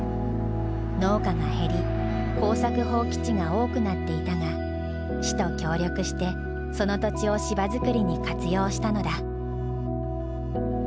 農家が減り耕作放棄地が多くなっていたが市と協力してその土地を芝作りに活用したのだ。